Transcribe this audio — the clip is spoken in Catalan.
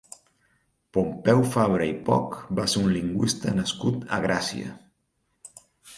Pompeu Fabra i Poch va ser un lingüista nascut a Gràcia.